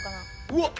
うわっ！